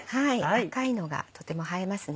赤いのがとても映えますね。